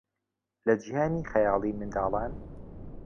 لە جیهانی خەیاڵیی منداڵان